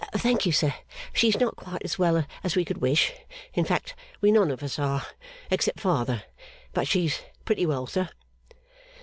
'Thank you, sir, she's not quite as well as we could wish in fact, we none of us are, except father but she's pretty well, sir.